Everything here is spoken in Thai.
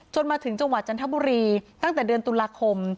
มาถึงจังหวัดจันทบุรีตั้งแต่เดือนตุลาคม